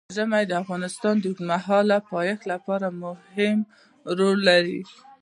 ژمی د افغانستان د اوږدمهاله پایښت لپاره مهم رول لري.